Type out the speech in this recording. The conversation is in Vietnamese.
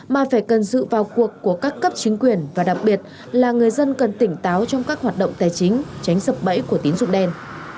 mà phải cần sự vào cuộc của các cấp chính quyền và đặc biệt là người dân cần tỉnh táo trong các hoạt động tài chính tránh sập bẫy của tín dụng đen